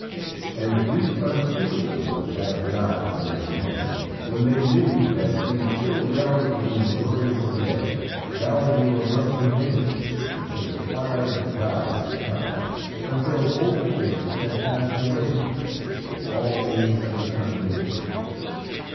And grief unspeakable was that of gods and of men when they knew that in the chill realm of the inglorious dead Baldur must remain until the twilight of the gods had come, until old things had passed away, and all things had become new.